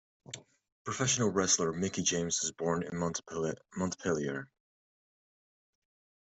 Professional wrestler Mickie James was born in Montpeiler.